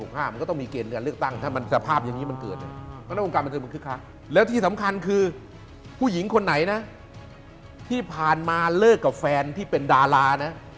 มันก็ต้องมีเกณฑ์เลือกตั้งถ้าสภาพอย่างงี้มันเกิดแล้วที่สำคัญคือผู้หญิงคนไหนที่ผ่านมาเลิกกับแฟนที่เป็นดารา